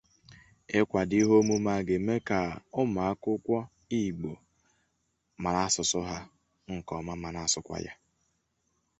Emezigharịrị ya mgbe agha obodo gachara ụlọ ebe obibi maka ịnabata ndị egwuregwu.